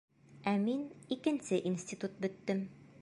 Ә мин икенсе институт бөттөм.